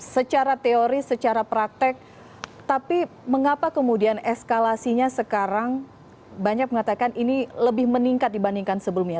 secara teori secara praktek tapi mengapa kemudian eskalasinya sekarang banyak mengatakan ini lebih meningkat dibandingkan sebelumnya